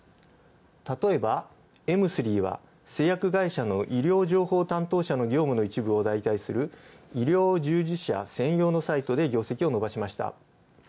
たとえばエムスリーは、医療情報担当者の業務の一部を代替医療従事者専用のサイトで業績を伸ばしました。